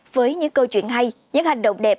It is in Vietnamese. với những câu chuyện hay những hành động đẹp